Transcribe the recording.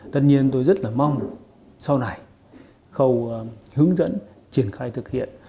tất nhiên tôi rất là mong sau này khâu hướng dẫn triển khai thực hiện